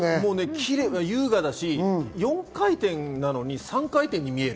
キレイだし、４回転なのに３回転に見える。